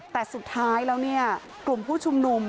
ขอบคุณครับขอบคุณครับ